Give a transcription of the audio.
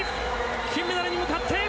金メダルに向かって！